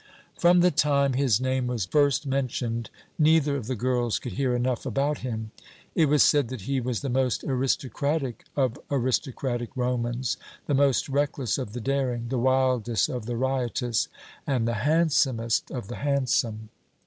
"From the time his name was first mentioned, neither of the girls could hear enough about him. It was said that he was the most aristocratic of aristocratic Romans, the most reckless of the daring, the wildest of the riotous, and the handsomest of the handsome.